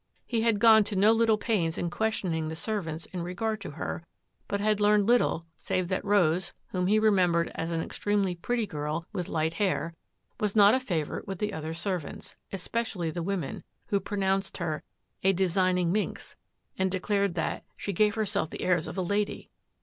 He had gone to no pains in questioning the servants in regard to but had learned little save that Rose, whoi remembered as an extremely pretty girl with hair, was not a favourite with the other se^ especially the women, who pronounced her signing minx " and declared that " she gave the airs of a lady.'